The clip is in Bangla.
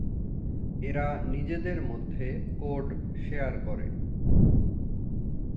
এরা নিজেদের মধ্যে কোড শেয়ার করে।